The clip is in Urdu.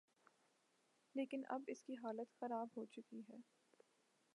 لیکن اب اس کی حالت خراب ہو چکی ہے۔